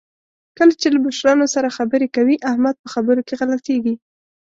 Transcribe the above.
کله چې له مشرانو سره خبرې کوي، احمد په خبرو کې غلطېږي.